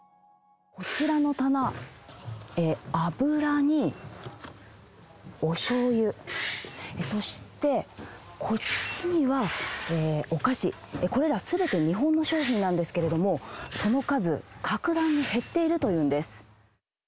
こちらの棚、油におしょうゆ、そしてこっちにはお菓子、これらすべて日本の商品なんですけれども、その数、格段に減っているというんです。